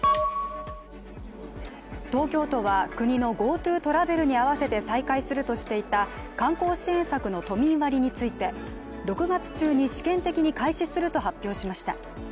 東京都は、国のＧｏＴｏトラベルに合わせて再開するとしていた観光支援策の都民割について、６月中に試験的に開始すると発表しました。